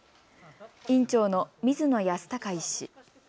院長の水野泰孝医師。